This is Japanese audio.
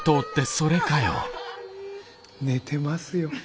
寝てますよ。